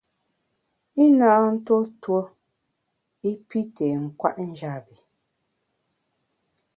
I na ntuo tuo i pi té nkwet njap bi.